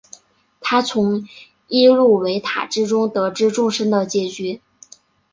他从伊露维塔之中得知众生的结局。